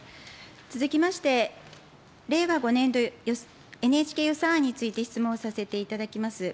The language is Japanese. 続きまして、令和５年度ＮＨＫ予算案について質問させていただきます。